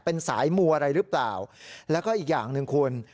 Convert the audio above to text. เป็นสายมัวอะไรหรือเปล่าแล้วก็อีกอย่างหนึ่งคุณ